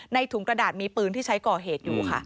ถุงกระดาษมีปืนที่ใช้ก่อเหตุอยู่ค่ะ